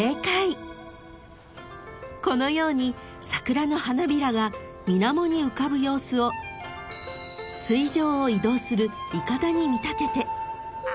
［このように桜の花びらが水面に浮かぶ様子を水上を移動するいかだに見立てて］